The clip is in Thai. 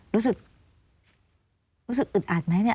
รู้สึกรู้สึกอึดอัดไหมเนี่ย